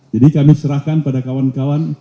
jadi kami serahkan pada kawan kawan